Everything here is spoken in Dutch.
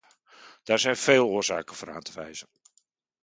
Daar zijn veel oorzaken voor aan te wijzen.